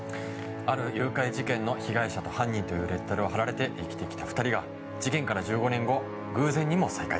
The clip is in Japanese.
ある誘拐事件の被害者と犯人というレッテルを貼られて生きてきた２人が事件から１５年後、偶然にも再会。